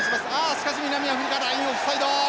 しかし南アフリカラインオフサイド！